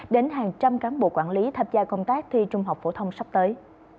đến hàng trăm cán bộ quản lý tham gia công tác thi trung học phổ thông sắp tới